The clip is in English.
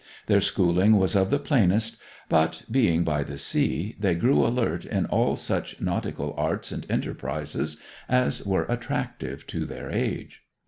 Their schooling was of the plainest, but, being by the sea, they grew alert in all such nautical arts and enterprises as were attractive to their age.